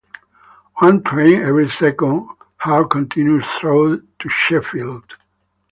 One train every second hour continues through to Sheffield.